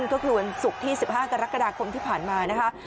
ก็คือวันศุกร์ที่๑๕กรกฎาคมที่ผ่านมานะคะ